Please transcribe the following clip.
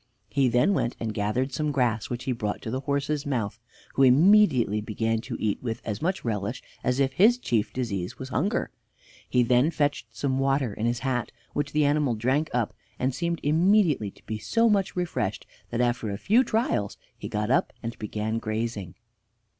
He then went and gathered some grass, which he brought to the horse's mouth, who immediately began to eat with as much relish as if his chief disease was hunger. He then fetched some water in his hat, which the animal drank up, and seemed immediately to be so much refreshed that after a few trials he got up and began grazing.